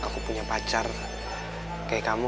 aku punya pacar kayak kamu